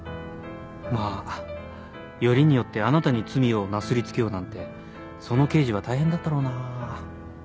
まあよりによってあなたに罪をなすり付けようなんてその刑事は大変だったろうなぁ。